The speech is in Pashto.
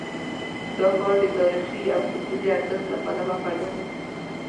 دا ښار د تاریخي او کلتوري ارزښت له پلوه بډایه دی.